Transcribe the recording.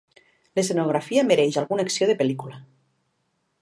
L'escenografia mereix alguna acció de pel·lícula.